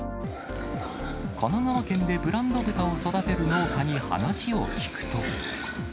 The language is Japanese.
神奈川県でブランド豚を育てる農家に話を聞くと。